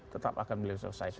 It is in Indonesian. tetap akan beliau selesaikan